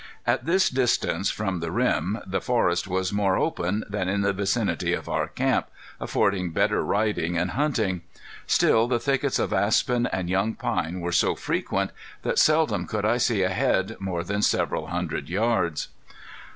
At this distance from the rim the forest was more open than in the vicinity of our camp, affording better riding and hunting. Still the thickets of aspen and young pine were so frequent that seldom could I see ahead more than several hundred yards.